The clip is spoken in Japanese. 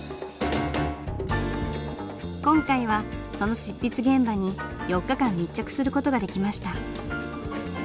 今回はその執筆現場に４日間密着する事ができました。